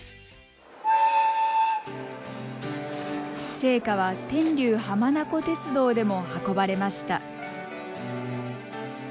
聖火は天竜浜名湖鉄道でも運ばれました。